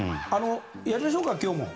やりましょうか、今日も。